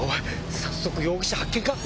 早速容疑者発見か？